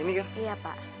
ibu asistennya bidana ini kan